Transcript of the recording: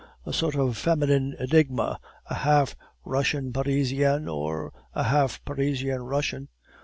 A sort of feminine enigma, a half Russian Parisienne, or a half Parisian Russian.